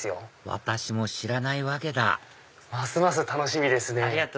私も知らないわけだますます楽しみですね。